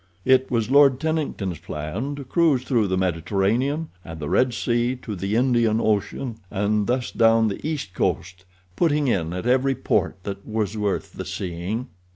It was Lord Tennington's plan to cruise through the Mediterranean, and the Red Sea to the Indian Ocean, and thus down the East Coast, putting in at every port that was worth the seeing.